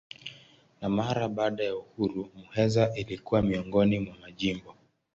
Na mara baada ya uhuru Muheza ilikuwa miongoni mwa majimbo.